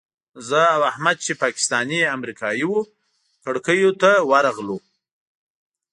زه او احمد چې پاکستاني امریکایي وو کړکیو ته ورغلو.